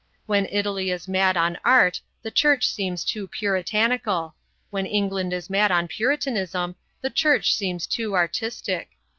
When Italy is mad on art the Church seems too Puritanical; when England is mad on Puritanism the Church seems too artistic.